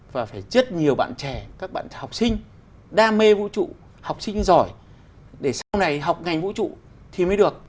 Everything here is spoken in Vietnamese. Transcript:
và phải chất nhiều bạn trẻ các bạn học sinh đam mê vũ trụ học sinh giỏi để sau này học ngành vũ trụ thì mới được